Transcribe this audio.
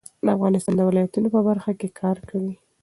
افغانستان د ولایتونو په برخه کې کار کوي.